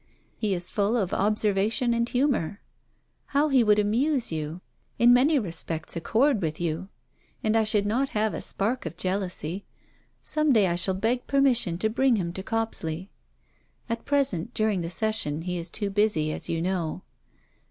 He is full of observation and humour. How he would amuse you! In many respects accord with you. And I should not have a spark of jealousy. Some day I shall beg permission to bring him to Copsley. At present, during the Session, he is too busy, as you know.